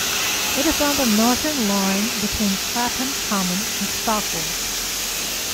It is on the Northern line between Clapham Common and Stockwell.